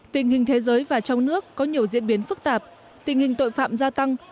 tình hình thế giới và trong nước có nhiều diễn biến phức tạp tình hình tội phạm gia tăng